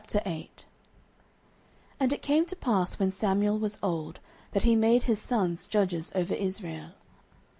09:008:001 And it came to pass, when Samuel was old, that he made his sons judges over Israel.